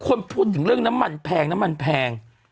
คนพูดถึงเรื่องน้ำมันแพงน้ำมันแพง